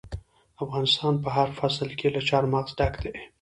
افغانستان په هر فصل کې له چار مغز ډک دی.